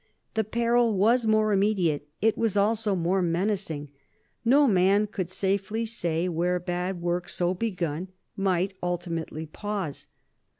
The peril was more immediate, it was also more menacing. No man could safely say where bad work so begun might ultimately pause.